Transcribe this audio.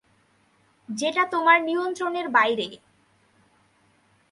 যেটা তোমার নিয়ন্ত্রণের বাইরে।